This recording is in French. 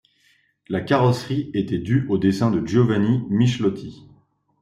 La carrosserie était due au dessin de Giovanni Michelotti.